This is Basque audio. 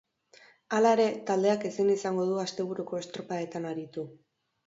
Hala ere, taldeak ezin izango du asteburuko estropadetan aritu.